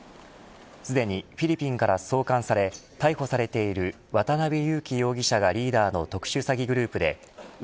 すでにフィリピンから送還され逮捕されている渡辺優樹容疑者がリーダーの特殊詐欺グループでう